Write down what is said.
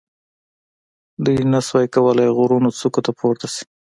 دوی نه شوای کولای غرونو څوکو ته پورته شي.